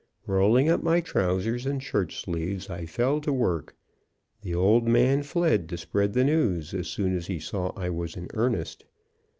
Rolling up my trousers and shirt sleeves, I fell to work. The old man fled to spread the news, as soon as he saw I was in earnest.